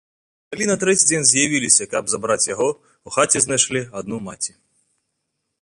Калі на трэці дзень з'явіліся, каб забраць яго, у хаце знайшлі адну маці.